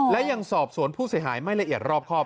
และยังสอบสวนผู้เสียหายไม่ละเอียดรอบครอบ